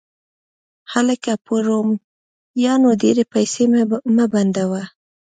هلکه! په رومیانو ډېرې پیسې مه بندوه